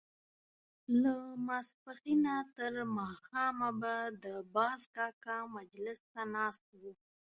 له ماسپښينه تر ماښامه به د باز کاکا مجلس ته ناست وو.